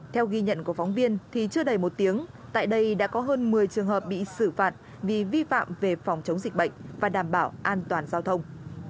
theo ghi nhận của phóng viên thì chưa đầy một tiếng tại đây đã có hơn một mươi trường hợp bị xử phạt vì vi phạm về phòng chống dịch bệnh và đảm bảo an toàn giao thông